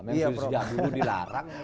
men sudah dulu dilarang